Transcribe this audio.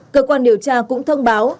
cơ quan điều tra cũng thông báo